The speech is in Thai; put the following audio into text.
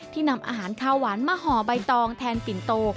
นำอาหารข้าวหวานมาห่อใบตองแทนปิ่นโต